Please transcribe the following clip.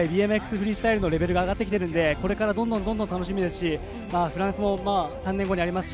フリースタイルのレベルが上がってきているので楽しみですし、フランス大会も３年後にあります。